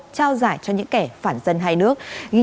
trao giải cho những kẻ phản xứng